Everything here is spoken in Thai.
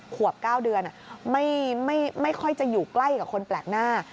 ขวบ๙เดือนไม่ค่อยจะอยู่ใกล้กับคนแปลกหน้า